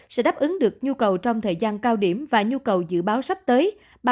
sẽ đáp ứng được nhu cầu trong thời gian cao điểm và nhu cầu dự báo sắp tới